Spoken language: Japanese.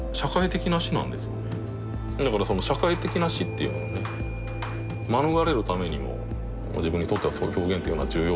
だからその社会的な死っていうのをね免れるためにも自分にとってはそういう表現というのは重要だったりするんですよね